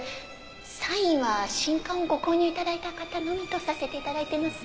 サインは新刊をご購入頂いた方のみとさせて頂いてます。